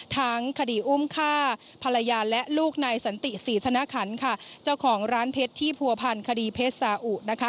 ทั้งคดีอุ้มฆ่าภรรยาและลูกนายสันติศรีธนคัญเจ้าของร้านเทศที่ภูพันธ์คดีเพศสาอุ